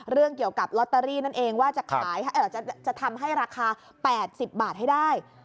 เรื่องเกี่ยวกับลอตเตอรี่นั่นเองว่าจะทำให้ราคา๘๐บาทให้ได้